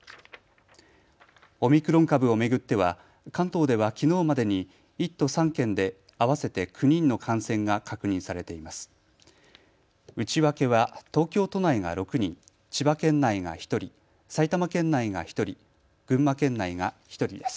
オミクロン株を巡っては関東ではきのうまでに１都３県で合わせて９人の感染が確認されています。